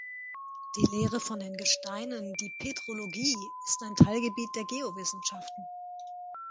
Die Lehre von den Gesteinen, die Petrologie, ist ein Teilgebiet der Geowissenschaften.